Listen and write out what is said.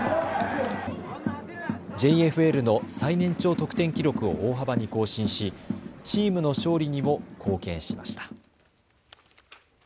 ＪＦＬの最年長得点記録を大幅に更新し、チームの勝利にも貢献しました。